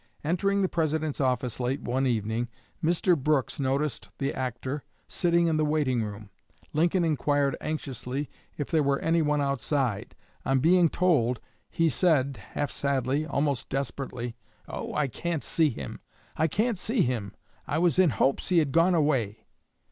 Entering the President's office late one evening, Mr. Brooks noticed the actor sitting in the waiting room. Lincoln inquired anxiously if there were anyone outside. On being told, he said, half sadly, almost desperately, "Oh, I can't see him; I can't see him! I was in hopes he had gone away."